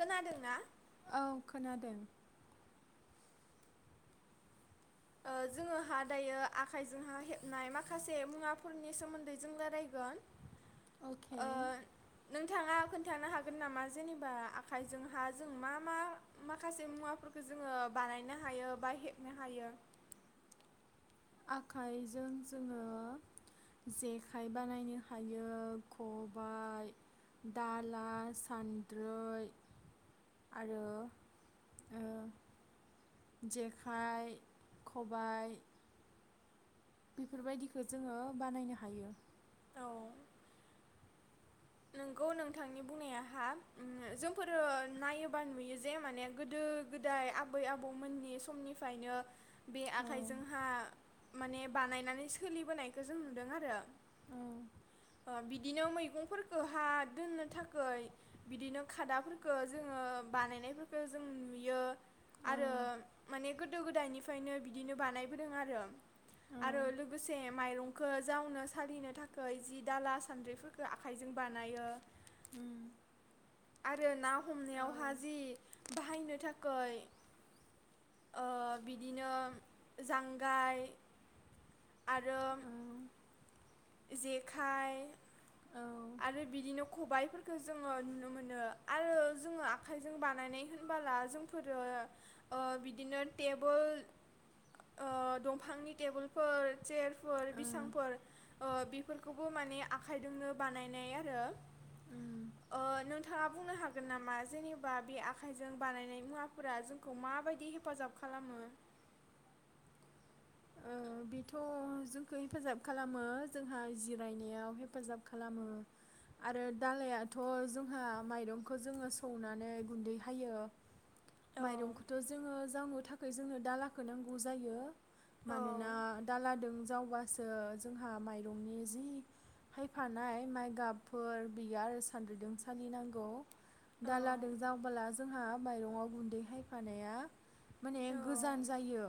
खोनादोंना? औ खोनादों। ओ जोङोहा दायो आखाइजोंहा हेबनाय माखासे मुवाफोरनि सोमोन्दै जों रायलायगोन। अखे ओ नोंथाङा खोन्थानो हागोन नामा जेनेबा आखाइजोंहा जों मा मा माखासे मुवाफोरखो जोङो बानायनो हायो बा हेबनो हायो आखाइजों जोङो जेखाइ बानायनो हायो खबाय, दाला, सान्द्रै, आरो ओ जेखाइ खबाय बेफोरबायदिखौ जोङो बानायनो हायो औ नोंगौ नोंथांनि बुंनाया हा ओ जोंफोरो नायोबा नुयो जे माने गोदो गोदाय आबै आबौमोननि समनिफ्रायनो बे औ आखाइजोंहा माने बानायनानै सोलिबोनायखौ जों नुदों आरो। औ ओ बिदिनो मैगंफोरखौ हा दोननो थाखाय बिदिनो खादाफोरखौ जोङो बानायनायफोरखो जों नुयो औ आरो माने गोदो गोदायनिफ्रायनो बिदिनो बानायबोदों आरो औ आरो लोगोसे माइरं खो जावनो सालिनो थाखै जि दाला सान्द्रिफोरखौ आखाइजों बानायो उम आरो ना औ हमनायावहा जि बाहायनो थाख खै ओ बिदिनो जांगाय आरो औ जेखाइ औ आरो बिदिनो खबाइफोरखौ जोङो नुनो मोनो आरो जोङो आखाइजों बानायनाय होनबला जोंफोरो बिदिनो टेबोल ओ दंफांनि टेबोलफोर सेरफोर बिसांफोर ओ बेफोरखौबो माने आखाइदोंनो बानायनाय आरो उम ओ नोंथाङा बुंनो हागोन नामा जेनेबा बे आखायजों बानायनाय मुवाफोरा जोंखौ माबायदि हेफाजाब खालामो ओ बेथ' जोंखौ हेफाजाब खालामो जोंहा जिरायनायाव हेफाजाब खालामो आरो दालायाथ जोंहा माइरंखौ जोङो सौनानै गुन्दै हायो औ माइरंखौथ' जोङो जावनो थाखाय जोंनो दालाखौ नांगौ जायो औ मानोना दालादों जाव हबासो जोंहा माइरंनि जि हायफानाय माइगाबफोर बियो आरो सान्द्रिजों सालिनांगौ औ दालादों जावबोला जोंहा माइरङाव गुन्दै हायफानाया माने औ गोजान जायो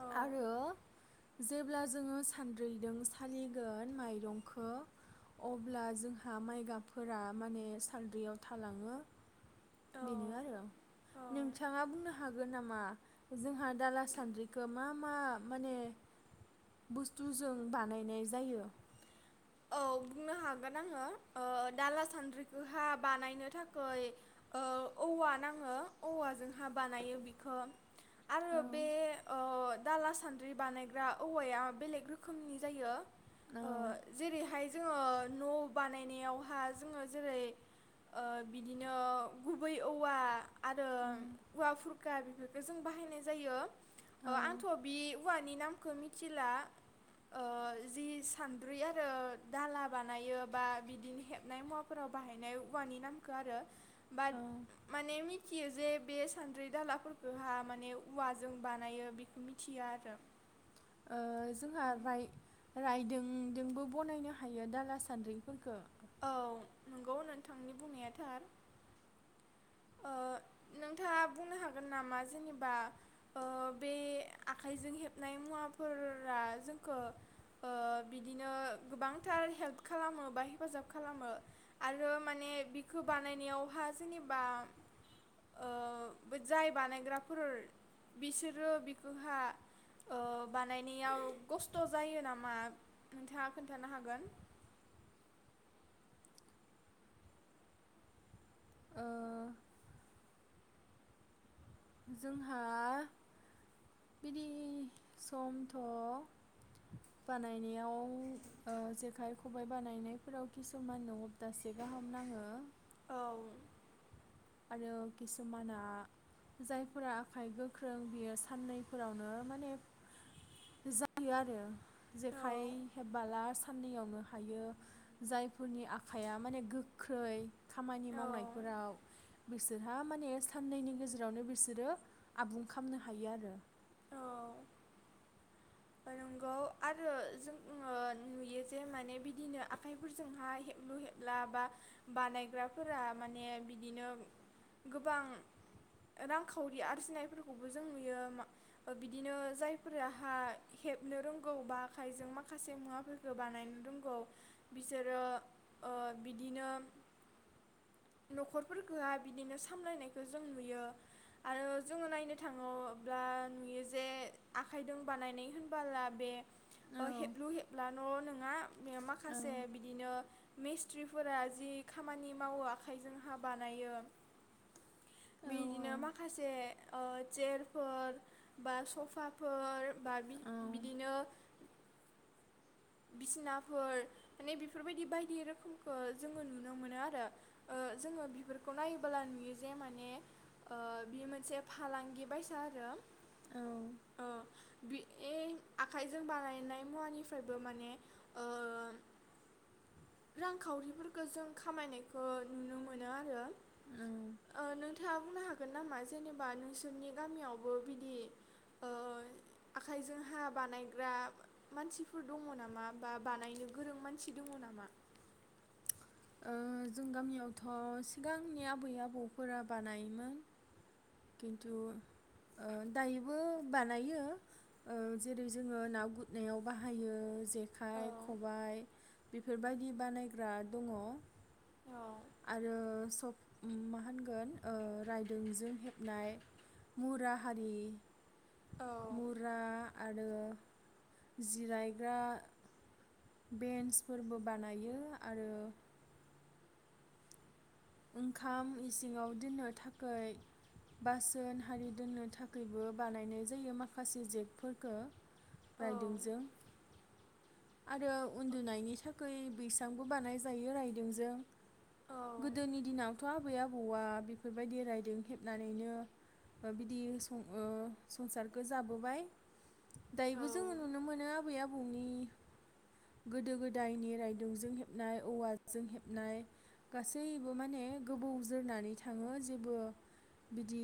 औ आरो जेब्ला जोङो सान्द्रैदों सालिगोन माइरंखो अब्ला जोंहा माइगाबफोरा माने सालद्रियाव थालाङो बेनो आरो औ नोंथाङा बुंनो हागोन नामा जोंहा दाला सान्द्रिखौ मा मा माने बुस्थुजों बानायनाय जायो औ बुंनो हागोन आङो ओ दाला सान्द्रिखौहा बानायनो थाखै ओ औवा नाङो औवाजोंहा बानायो बिखो आरो औ बे अ दाला सान्द्रि बानायग्रा औवाया बेलेग रोखोमनि जायो। औ बेहाय जोङो न बानायनायावहा जोङो जेरै ओ बिदिनो गुबै औवा आरो उम औवाफो [unintelligible] बेफोरखो जों बाहायनाय जायो। ओ औ आंथ' बि उवानि नामखौ मिथिला ओ जि सान रि आरो दाला बानायो बा बिदिनो हेबनाय मुवाफोराव बाहायनाय औवानि नामखौ आरो बाद औ माने मि मिथियो जे बे सान्द्रि दालाफोरखौहा माने औवाजों बानायो बेखौ मिथियो आरो ओ जोंहा राय रायदों ओम दोंबो बनायनो हायो दाला सान्द्रिफोरखो औ नंगौ नोंथांनि बुंनाया थार ओ नोंथाङा बुंनो हागोन नामा जेनेबा ओ बे आखाइजों हेबनाय मुवाफोररा जोंखौ ओ बिदिनो गोबांथार हेल्प खालामो बा हेफाजाब खालामो आरो माने बिखौ बानायनायावहा जेनेबा ओ बे जाय बानायग्राफोर बिसोरो बिखौहा ओ बानायनायाव खस्थ जायो नामा नोंथाङा खोन्थानो हागोन ओ जोंहा बिदि समथ' बानायनायाव ओ जेखाइ खबाइ बानायनायफोराव किसुमान न' दासे गाहाम नाङो औ आरो किसुमाना जायफोरा आखाइ गोख्रों बियो साननैफोरावनो माने जायो आरो औ जेखाइ हेबबाला साननैयावनो हायो जायफोरनि आखाइया माने गोख्रै खामानि औ मावनायफोराव बिसोरहा माने साननैनि गेजेरावनो बिसोरो आबुं खामनो हायो आरो ओ नंगौ आरो जोङो नुयो जे माने बिदिनो आखाइफोरजोंहाय हेबलु हेबला बा बानायग्राफोरा माने बिदिनो गोबां रां खावरि आरजिनायफोरखौबो जों नुयो मा बिदिनो जायफोराहाय हेबनो रोंगौ बा आखाइजों माखासे मुवाफोरखौ बानायनो रोंगौ बिसोरो ओ बिदिनो नखरफोरखौहा बिदिनो सामलायनायखौ जों नुयो आरो जोङो नायनो थाङोब्ला नुयो जे आखाइदों बानायनाय होनबाला बे ओ हेबलु हेबब्ला ननों बे माखासे बिदिनो मिस्थ्रिफोरा जि खामानि मावो आखाइजोंहा बानायो औ बिदिनो माखासे ओ चेयारफोर बा सफाफोर बा औ बिदिनो बिसिनाफोर माने बेफोरबायदि बायदि रोखोमखौ जोङो नुनो मोनो आरो ओ जोङो बेफोरखौ नायोबोला नुयो जे माने ओ बे मोनसे फालांगि बायसा आरो औ ओ बि बे आखाइजों बानायनाय मुवानिफ्राय बो माने ओ रांखावरिफोरखौ जों खामायनायखौ नुनो मोनो आरो औ औ ओ नोंथाङा बुंनो हागोन होगोन नामा जेनेबा नोंसोरनि गामियावबो बिदि ओ आखाइजोंहा बानायग्रा मानसि फोर दङ नामा बा बानायनो गोरों मानसि दङ नामा ओ जों गामियावथ' सिगांनि आबै आबौफोरा बानायोमोन खिन्थु ओ दायोबो बानायो ओ जेरै जोङो ना गुरनायाव बाहायो जे जेखाइ खबाय बेफोरबायदि बानायग्रा दङ आरो सफ ओ मा होनगोन ओ रायदोंजों हेबनाय मुरा हारि मुरा आरो जिरायग्रा बेन्सफोरबो बानायो आरो ओंखाम इसिङाव दोननो थाखाय बासोन हारि दोननो थाखायबो बानायनाय जायो माखासे जेगफोरखौ रायदोंजों आरो उन्दुनायनि थाखाय बैसांबो बानायजायो रायदोंजों औ गोदोनि दिनावथ' आबै आबौआ बेफोरबायदि रायदों हेबनानैनो बा बिदि ओ संसारखो जाबोबाय। दायोबो जोङो नुनो मोनो आबै आबौ फुंनि गोदो गोदायनि रायदुंजों हेबनाय औवाजों हेबनाय गास हैबो माने गोबौ जोरनानै थाङो जेबो बिदि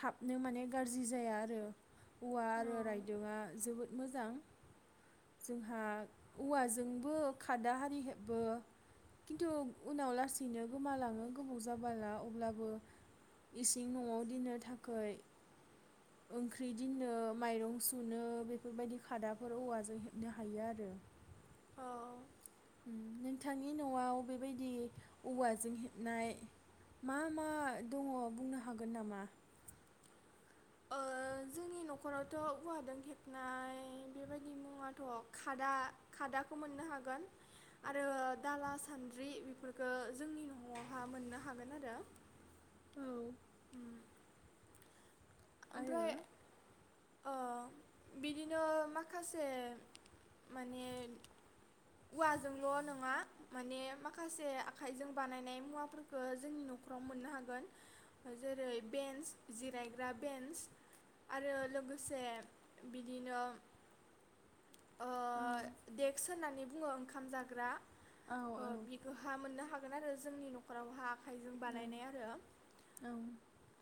थाबनो माने गाज्रि जाया आरो औवा आरो रायदोंआ जोबोद मोजां। जोंहा उवाजोंबो खादा हारि हेबो खिन्थु उनाव लासैनो गोमालाङो गोबाव जाबाला अब्लाबो इसिं न'आव दिननो थाखै ओंख्रि दिननो माइरं सुनो बेफोरबायदि खादाफोर औवाजों हेबनो हायो आरो। नोंथांनि न'आव बेबायदि औवाजों हेबनाय मा मा दङ बुंनो हागोन नामा? ओ जोंनि नखरावथ' उवादों हेबनाय बेबायदि मुवाथ' खादा खादाखौ मोननो हागोन आरो दाला सान्द्रि बेफोरफोरखो जोंनि न'आवहा मोननो हागोन आरो। औ आरो ओमफ्राय ओ बिदिनो माखासे माने उवाजोंल' नोङा माने माखासे आखाइजों बानायनाय मुवाफोरखौ जोंनि न'खराव मोननो हागोन जेरै बेन्स जिरायग्रा बेन्स आरो लोगोसे बिदिनो ओ औ देक्स होननानै बुङो ओंखाम जाग्रा औ अ बिखौहा मोननो हाग गोन आरो जोंनि नखराव हा आखाइजों बानायनाय आरोत औ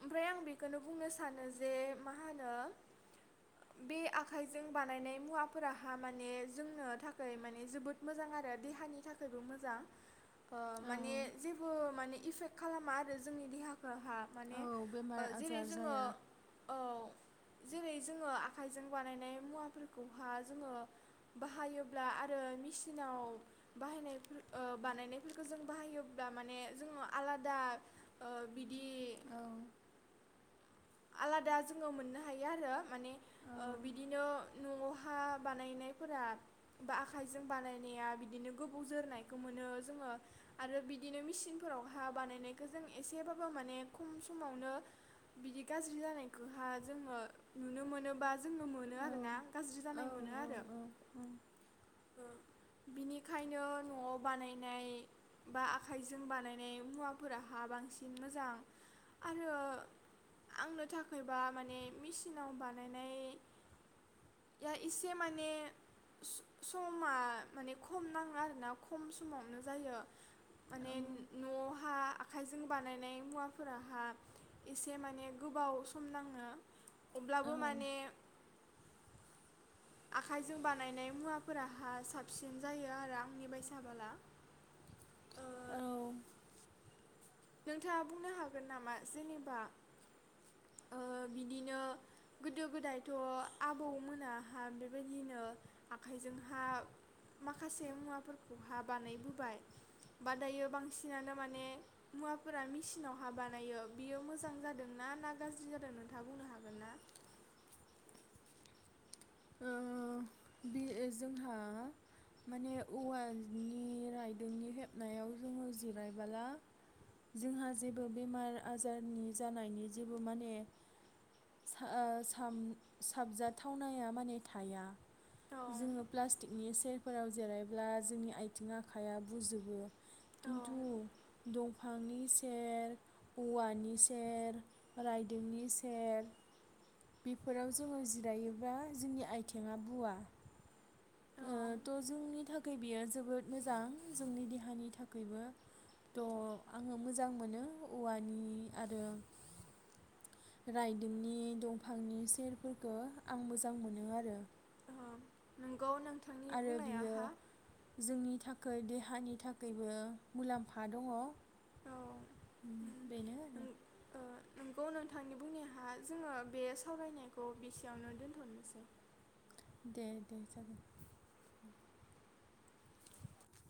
ओफ्राय आं बे खोनो बुंनोस थानो जे मा होनो बे आखाइजों बानायनाय मुवाफोराहा माने जोंनो थाखोय माने जोबोद मोजां आरो देहानि थाखैबो मोजां। ओ औ माने जेबो माने इफेक्ट खालामा आरो जोंनि देहा फोर हा औ माने बेमार ओ जेरै आजार जोङो जाया औ जेरै जोङो आखाइजों बानायनाय मुवाफोरखौहा जोङो बाहायोब्ला आरो मेसिनाव बाहायनायफोर ओ बानायनायफोरखौ जों बाहायोब्ला माने जोङो आलादा ओ बिदि औ आलादा जोङो मोननो हायो आरो माने औ ओ बिदिनो न'आवहा बानायनायफोरा बा आखाइजों बानायनाया बिदिनो गोबाव जोरनायखौ मोनो जोङो आरो बिदिनो मेसिनफोराव हा बानायनायखौ जों एसेबाबो माने खम समावनो बिदि गाज्रि जानायखौहा जोङो नुनो मोनोबा जोङो मोनो औ आरोना गाज्रि जानाय मोनो आरो। बिनिखायनो न'आव बानायनाय बा आखाइजों बानायनाय मुवाफोराहा बांसिन मोजां आरो। आंनो थाखायबा माने मेसिनाव बानायनाय या एसे माने स-समा माने खम नाङो आरोना खम समावनो जायो माने न'आवहा आखाइजों बानायनाय मुवाफोराहा एसे माने गोबाव सम नाङो। औ अब्लाबो माने आखाइजों बानायनाय मुवाफोराहा साबसिन जायो आरो आंनि बायसाबाला। औ नोंथाङा बुंनो हागोन नामा जेनेबा ओ बिदिनो गोदो गोदायथ' आबौ मोनाहा बेबायदिनो आखाइजोंहा माखासे मुवाफोरखौहा बानायबोबाय बा दायो बांसिनानो माने मुवाफोरा मेसिनाव हा बानायो बियो मोजां जादोंनाा ना गाज्रि जादों नोंथाङा बुंनो हागोन ना? ओ बे जोंहा माने औवानि रायदोंनि हेबनायाव जोङो जिरायबाला जोंहा जेबो बेमार आजारनि जानायनि जेबो माने सा-ओ-साम-साबजाथावनाया माने थाया औ जोङो प्लास्टिकनि सेयारफोराव जिरायब्ला जोंनि आथिं आखाया बुजोबो। औ किन्थु दंफांनि सेर औवानि सेर रायदोंनि सेर बिफोराव जोङो जिरायोबा जोंनि आइथेङा बुवा। औ ओ थ' जोंनि थाखाय बियो जोबोद मोजां जोंनि देहानि थाखायबो थ' आङो मोजां मोनो औवानि आरो रायदोंनि दंफांनि सेरफोरखो आं मोजां मोनो आरो। [inaudible] आरो बियो बुंनायाहा औ जोंनि थाख खै देहानि थाखैबो मुलाम्फा दङ। ओम बेनो आरो। नों ओ नंगौ नोंथांनि बुंनायाह जोङो बे सावरायनायखौ बेसेयावनो दोनथनोसै। दे दे जागोन।